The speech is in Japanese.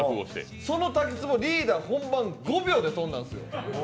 その滝壺、リーダー、本番５秒で飛んだんですよ。